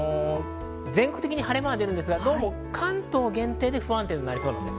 全国的に晴れ間が出るんですが、関東限定で不安定になりそうです。